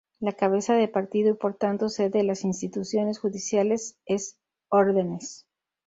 La cabeza de partido y por tanto sede de las instituciones judiciales es Órdenes.